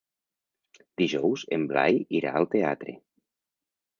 Dijous en Blai irà al teatre.